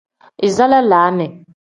Iza lalaani.